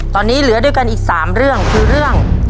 ตอนนี้เหลือด้วยกันอีก๓เรื่องคือเรื่อง